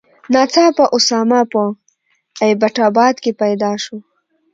ناڅاپه اسامه په ایبټ آباد کې پیدا شو.